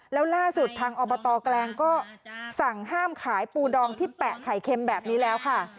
แล้วล่าสุดทางอบตแกลงก็สั่งห้ามขายปูดองที่แปะไข่เค็มแบบนี้แล้วค่ะ